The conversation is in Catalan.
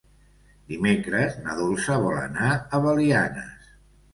Dimecres na Dolça vol anar a Belianes.